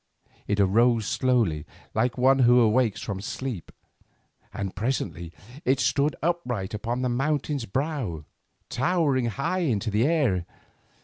It arose slowly like one who awakes from sleep, and presently it stood upright upon the mountain's brow, towering high into the air.